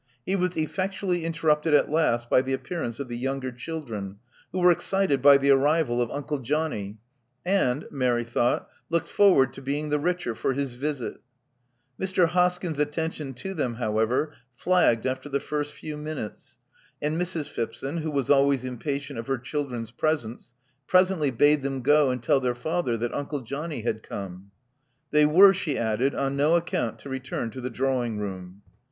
He was effectually interrupted at last by the appearance of the younger children, who were excited by the arrival of Uncle Johnnie; and, Mary thought, looked forward to being the richer for his visit Mr. Hoskyn's attention to them, however, flagged after the first few minutes; and Mrs. Phipson, who was always impatient of her children's presence, presently bade them go and tell their father that Uncle Johnnie had come. They were, she added, on no account to return to the drawing room.